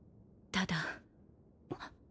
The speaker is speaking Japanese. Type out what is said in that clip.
ただ？